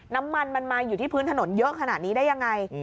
น้ำมันมันมาอยู่ที่พื้นถนนเยอะขนาดนี้ได้ยังไง